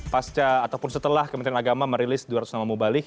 pasca ataupun setelah kementerian agama merilis dua ratus nama mubalik